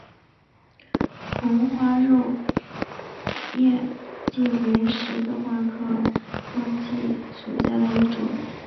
红花肉叶荠为十字花科肉叶荠属下的一个种。